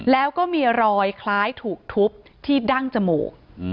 แล้วก็มีรอยคล้ายถูกทุบที่ดั้งจมูก